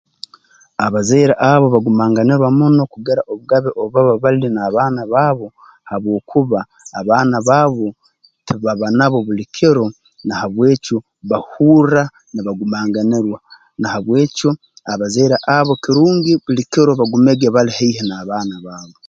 Abazaire abo bagumanganirwa muno kugira obugabe obu baba bali n'abaana baabo habwokuba abaaba baabo tibaba nabo buli kiro na habw'ekyo bahurra nibagumanganirwa na habw'ekyo abazaire abo kirungi buli kiro bagumege bali haihi n'abaana baabo